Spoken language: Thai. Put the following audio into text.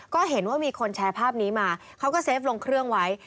ก็เห็นว่ามีคนแชร์ภาพนี้มาเขาก็เซฟลงเครื่องไว้